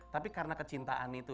tapi karena kecintaan itu